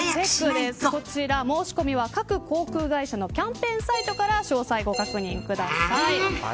こちら、申し込みは各航空会社のキャンペーンサイトから詳細をご確認ください。